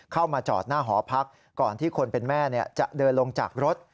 เข้ามาจอดหน้าหอพักก่อนที่คนเป็นแม่จะเดินลงจากรถ